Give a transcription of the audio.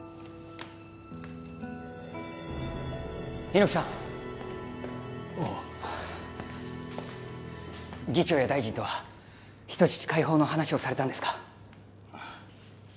猪木さん、議長や大臣とは人質解放の話はされたんですか？